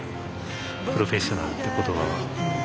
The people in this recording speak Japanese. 「プロフェッショナル」って言葉は。